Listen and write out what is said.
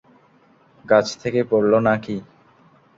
গাছ থেকে পড়লো না কি?